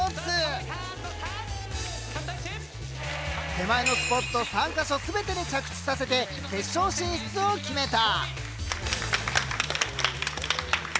手前のスポット３か所全てに着地させて決勝進出を決めた。